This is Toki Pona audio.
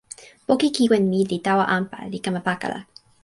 poki kiwen mi li tawa anpa li kama pakala.